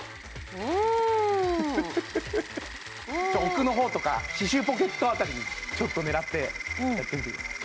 うーん奥の方とか歯周ポケット辺りにちょっと狙ってやってみてください